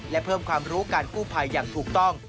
และเพิ่มความรู้การกู้ภัยอย่างถูกต้อง